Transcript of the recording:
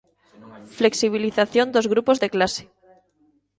Flexibilización dos grupos de clase.